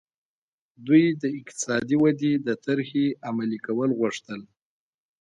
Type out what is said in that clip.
دوی د اقتصادي ودې د طرحې عملي کول غوښتل.